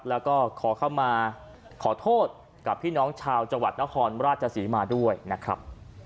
แล้วก็ขอเข้ามาขอโทษกับพี่น้องชาวจังหวัดนครราชศรีมาด้วยนะครับ